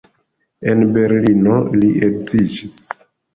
En Berlino li edziĝis.